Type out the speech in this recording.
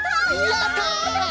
やった！